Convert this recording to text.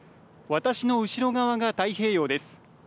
私の後ろ側が太平洋です。